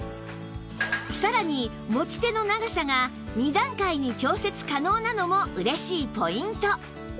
さらに持ち手の長さが２段階に調節可能なのも嬉しいポイント